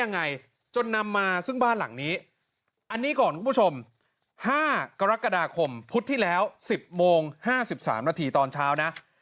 ไงจนนำมาซึ่งบ้านหลังนี้อันนี้ก่อนคุณผู้ชม๕กรกฎาคมพุธที่แล้ว๑๐โมง๕๓นาทีตอนเช้านะ